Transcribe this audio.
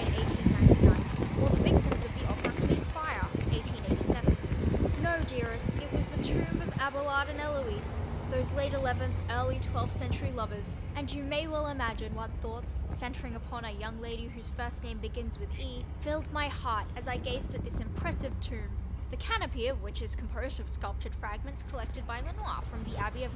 1899) or the victims of the Opéra Comique fire (1887)—no, dearest, it was the tomb of Abelard and Heloïse, those late 11th early 12th century lovers, and you may well imagine what thoughts, centering upon a young lady whose first name begins with E, filled my heart as I gazed at this impressive tomb, the canopy of which is composed of sculptured fragments collected by Lenoir from the Abbey of Nogent sur Seine (Aube).